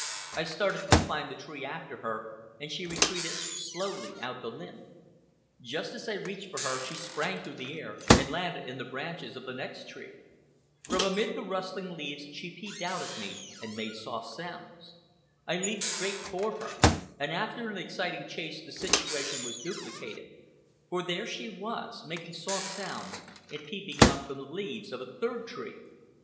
I started to climb the tree after her, and she retreated slowly out the limb. Just as I reached for her, she sprang through the air and landed in the branches of the next tree. From amid the rustling leaves she peeped out at me and made soft sounds. I leaped straight for her, and after an exciting chase the situation was duplicated, for there she was, making soft sounds and peeping out from the leaves of a third tree.